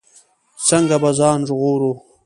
څنګه به ځان ژغورو.